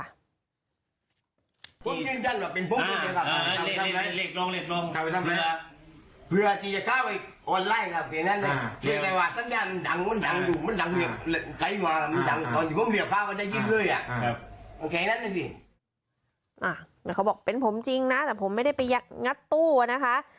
อ่าเดี๋ยวเขาบอกเป็นผมจริงนะแต่ผมไม่ได้ไปงัดตู้อ่ะนะคะ